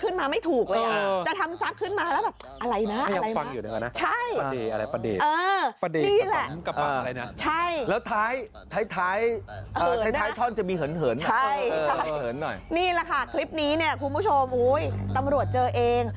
นี่แหละคลิปนี้คุณผู้ชมตำรวจเจอเอง